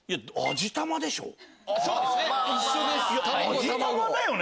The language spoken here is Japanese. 味玉だよね？